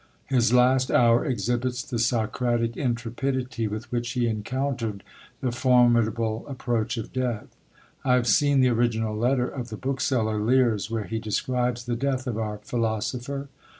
His last hour exhibits the Socratic intrepidity with which he encountered the formidable approach of death. I have seen the original letter of the bookseller Leers, where he describes the death of our philosopher.